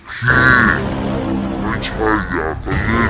พีุ่ไม่ใช่อยากเล่นแรงแบบนี้